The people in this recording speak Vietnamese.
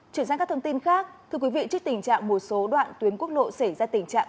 chuyển sang các thông tin khác thưa quý vị trước tình trạng một số đoạn tuyến quốc lộ xảy ra tình trạng